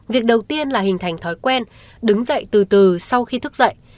việc đầu tiên là hình thành thói quen đứng dậy từ từ sau khi thức dậy